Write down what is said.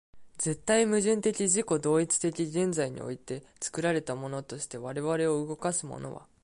絶対矛盾的自己同一的現在において、作られたものとして我々を動かすものは、